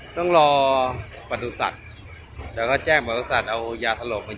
ต้องรอประตูศัตริย์แต่เขาแจ้งประตูศัตริย์เอายาทะโหลกมายิง